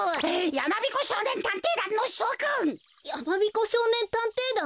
やまびこしょうねんたんていだん？